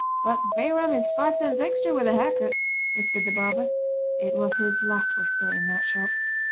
"But bay rum is five cents extra with a hair cut," whispered the barber. It was his last whisper in that shop.